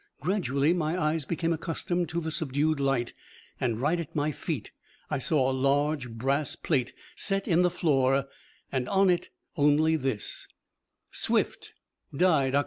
Gradually, my eyes became accustomed to the subdued light, and right at my feet I saw a large brass plate set in the floor and on it only this: Swift Died Oct.